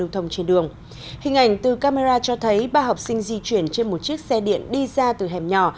tình ảnh từ camera cho thấy ba học sinh di chuyển trên một chiếc xe điện đi ra từ hẻm nhỏ